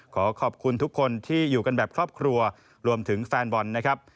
ขอขอบคุณทุกคนที่อยู่กันแบบครอบครัวรวมถึงแฟนบอลนะครับ